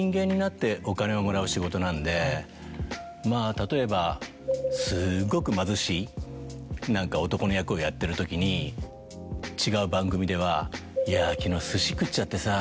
例えばすごく貧しい男の役をやってるときに違う番組では「いや昨日すし食っちゃってさ。